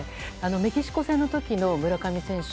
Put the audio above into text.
メキシコ戦の時の村上選手